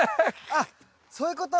あっそういうこと？